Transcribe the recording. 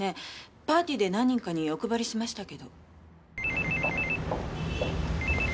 パーティーで何人かにお配りしましたけど。